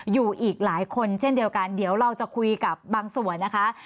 อยู่อีกหลายคนเช่นเดียวกันเดี๋ยวเราจะคุยกับบางส่วนนะคะ